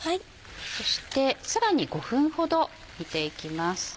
そしてさらに５分ほど煮ていきます。